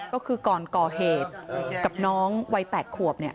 ก็คือก่อนก่อเหตุกับน้องวัย๘ขวบ